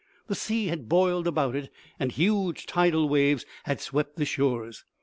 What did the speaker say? The sea had boiled about it, and huge tidal waves had swept the shores.